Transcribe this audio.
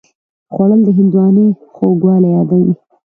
خوړل د هندوانې خوږوالی یادوي